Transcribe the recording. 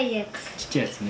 ちっちゃいやつね。